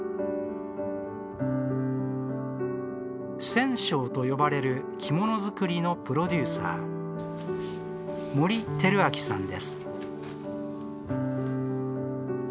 染匠と呼ばれる着物作りのプロデューサー森輝昭さんです。